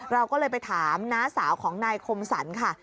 เราก็เลยไปถามน้าสาวของนายคมสรรค่ะ